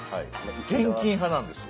現金派なんですよ。